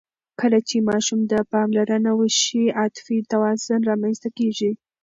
کله چې ماشوم ته پاملرنه وشي، عاطفي توازن رامنځته کېږي.